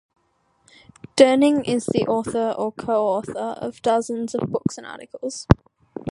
Durning is the author or coauthor of dozens of books and articles.